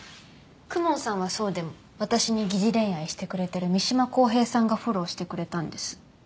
公文さんはそうでも私に疑似恋愛してくれてる三島公平さんがフォローしてくれたんです